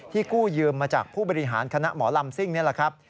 กู้ยืมมาจากผู้บริหารคณะหมอลำซิ่งนี่แหละครับ